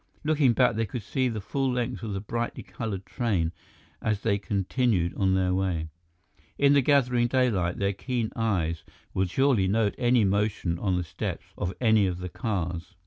Looking back, they could see the full length of the brightly colored train, as they continued on their way. In the gathering daylight, their keen eyes would surely note any motion on the steps of any of the cars.